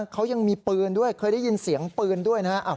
เขายังมีปืนด้วยเคยได้ยินเสียงปืนด้วยนะครับ